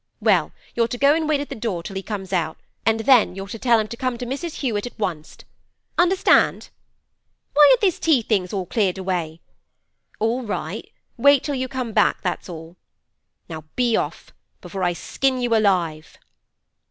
Well, you're to go an' wait at the door till he comes out, and then you're to tell him to come to Mrs. Hewett at wunst. Understand?—Why ain't these tea things all cleared away? All right! Wait till you come back, that's all. Now be off, before I skin you alive!